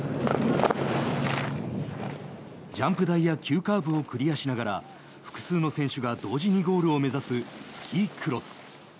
ジャンプ台や急カーブをクリアしながら複数の選手が同時にゴールを目指すスキークロス。